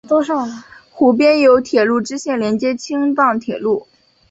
湖边有铁路支线连接青藏铁路。